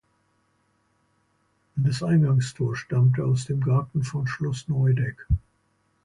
Das Eingangstor stammte aus dem Garten von Schloss Neudeck.